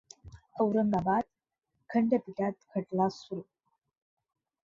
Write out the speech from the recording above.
औरंगाबाद खंडपीठात खटला सुरू.